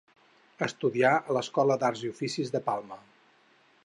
Estudià a l’Escola d'Arts i Oficis de Palma.